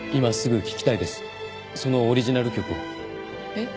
えっ？